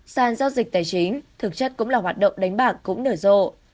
sàn giao dịch tài chính thực chất cũng là hoạt động đánh bạc cũng nở rộ